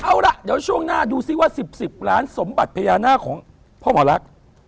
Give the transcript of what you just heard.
เอาล่ะเดี๋ยวช่วงหน้าดูซิว่า๑๐๑๐ล้านสมบัติพญานาคของพ่อหมอลักษณ์